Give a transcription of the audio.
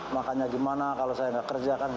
makannya gimana kalau saya nggak kerja kan gitu